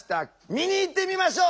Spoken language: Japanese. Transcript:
見に行ってみましょう！